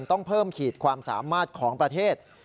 ต้องเพิ่มขีดความสามารถของประเทศ